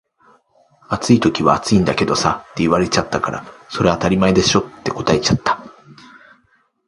「暑い時は暑いんだけどさ」って言われたから「それ当たり前でしょ」って答えちゃった